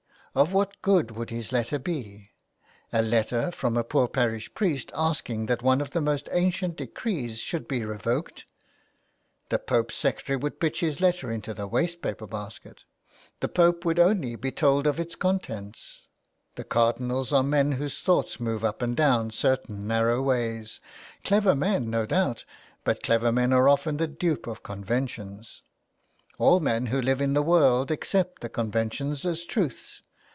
Of what good would his letter be ? A letter from a poor parish priest asking that one of the most ancient decrees should be revoked ! The Pope's secretary would pitch his letter into the waste paper basket. The Pope would be only told of its contents ! The cardinals are men whose thoughts move up and down certain narrow ways, clever men no doubt, but clever men are often the dupe of conventions. All men who live in the world accept the conventions as truths.